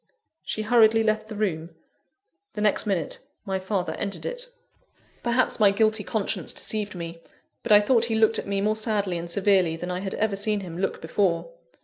She hurriedly left the room. The next minute, my father entered it. Perhaps my guilty conscience deceived me, but I thought he looked at me more sadly and severely than I had ever seen him look before.